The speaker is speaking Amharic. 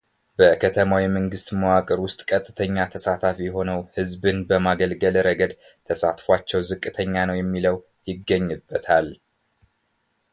በከተማው የመንግሥት መዋቅር ውስጥ ቀጥተኛ ተሳታፊ ሆነው ሕዝብን በማገልገል ረገድ ተሳትፏቸው ዝቅተኛ ነው የሚለው ይገኝበታል፡፡